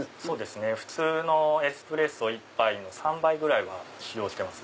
普通のエスプレッソ１杯の３倍ぐらいは使用してます。